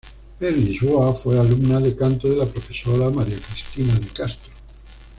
En Lisboa, fue alumna de canto de la profesora María Cristina de Castro.